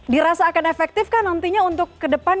dirasa akan efektif kah nantinya untuk ke depan